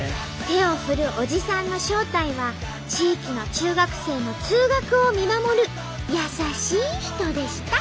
手を振るおじさんの正体は地域の中学生の通学を見守る優しい人でした。